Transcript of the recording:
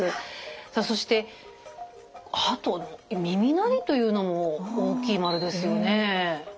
さあそしてあと「耳鳴り」というのも大きい円ですよね。